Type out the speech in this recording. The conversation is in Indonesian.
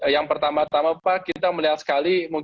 yang pertama tama pak kita melihat sekali